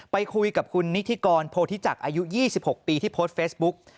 ไปคุยกับคุณนิธิกรโพธิจักรอายุ๒๖ปีที่โพสต์เฟซบุ๊ก